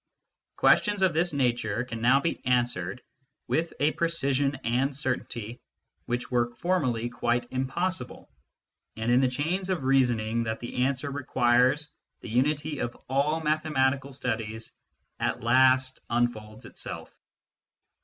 Questions of this nature can now be answered with a precision and certainty which were formerly quite impossible ; and in the chains of reasoning that the answer requires the unity of all mathematical studies at last unfolds itself.